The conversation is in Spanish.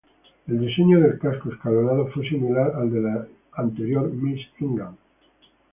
El diseño del casco escalonado fue similar al de la anterior "Miss England".